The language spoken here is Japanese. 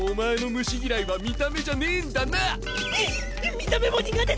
見た目も苦手だ！